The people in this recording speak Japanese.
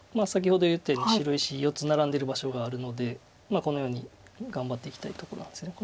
先ほど言ったように白石４つナラんでる場所があるのでこのように頑張っていきたいとこなんです。